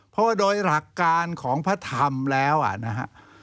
เพราะว่าโดยหลักการของพระธรรมแล้วนะฮะ